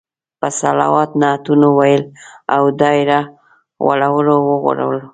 په صلوات، نعتونو ویلو او دایره غږولو ورغلو.